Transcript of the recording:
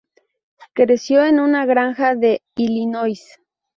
Creció en una granja de Illinois.